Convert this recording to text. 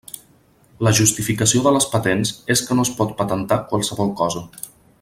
La justificació de les patents és que no es pot patentar qualsevol cosa.